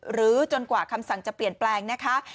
จนกว่าคำสั่งจะเปลี่ยนแปลงนะคะ